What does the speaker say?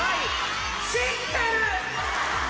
知ってる！